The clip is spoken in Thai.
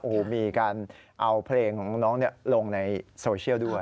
โอ้โหมีการเอาเพลงของน้องลงในโซเชียลด้วย